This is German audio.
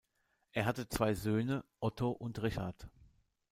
Er hatte zwei Söhne, Otto und Richard.